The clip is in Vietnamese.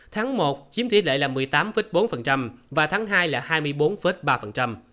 tháng một chiếm tỷ lệ là một mươi tám bốn và tháng hai là hai mươi bốn ba